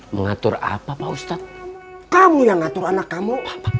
mengatur apa pak ustadz kamu yang ngatur anak kamu